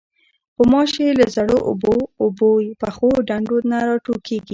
غوماشې له زړو اوبو، اوبو پخو ډنډو نه راټوکېږي.